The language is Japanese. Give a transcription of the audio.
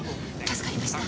助かりました。